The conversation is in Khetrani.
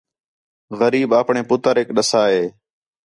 غریب آپݨے پُتریک ݙَسّا ہِے